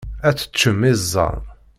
Ad teččem iẓẓan.